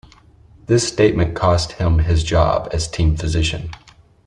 This statement cost him his job as team physician.